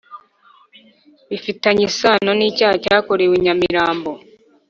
bifitanye isano n’icyaha cyakorewe I nyamirambo